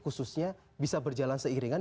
khususnya bisa berjalan seiringan